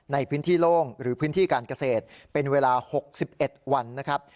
ในพื้นที่โล่งหรือพื้นที่การเกษตรเป็นเวลา๖๑วันนะครับ